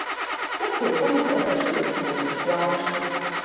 一條心買一隻碟咪唔貴